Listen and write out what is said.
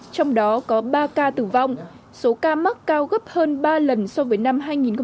trong đó có ba ca tử vong số ca mắc cao gấp hơn ba lần so với năm hai nghìn một mươi tám